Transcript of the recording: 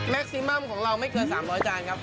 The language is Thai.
แมคซิมัมของเราไม่เกือว๓๐๐จานครับ